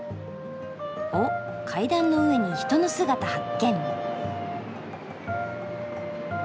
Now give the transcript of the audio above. おっ階段の上に人の姿発見。